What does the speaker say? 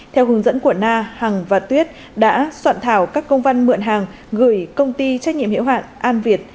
theo hướng dẫn của na hằng và tuyết đã soạn thảo các công văn mượn hàng gửi công ty trách nhiệm hiệu hạn an việt